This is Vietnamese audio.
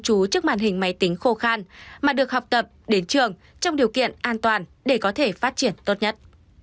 chú trước màn hình máy tính khô khan mà được học tập đến trường trong điều kiện an toàn để có thể phát triển tốt nhất